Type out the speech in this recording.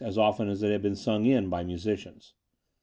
as often as it had been sung in by musicians.